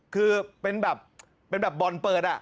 คือเป็นแบบบ่อนเปิด